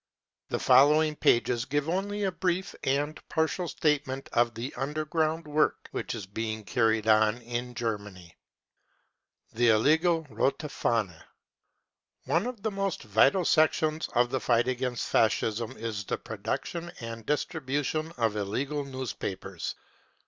The following pages give only a brief and partial state ment of the " underground 55 work which is being carried on in Germany. The Illegal "Rote Fahne." One of the most vital sec tions of the fight against Fascism is the production and dis tribution of illegal newspapers.